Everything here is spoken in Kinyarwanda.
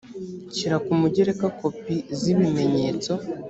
shyira ku mugereka kopi z ibimenyetso